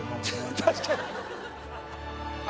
確かにあ